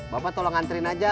bapak tolong anterin aja